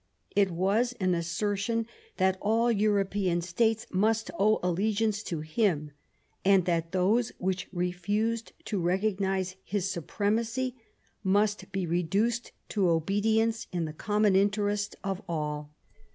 It was an assertion that all European States must owe allegiance to him, and that those which refused to recognise his supremacy must be reduced to obedience in the common interest of all.